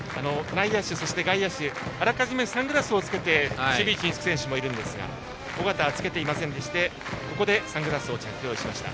内野手、外野手あらかじめサングラスをつけて守備位置につく選手もいますが緒方はつけていませんでしてここでサングラスを着用しました。